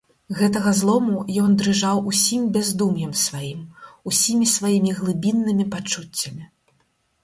Гэтага злому ён дрыжаў усім бяздум'ем сваім, усімі сваімі глыбіннымі пачуццямі.